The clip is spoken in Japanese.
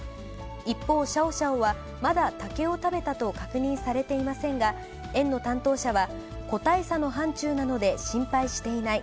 一方、シャオシャオはまだ竹を食べたと確認されていませんが、園の担当者は、個体差の範ちゅうなので、心配していない。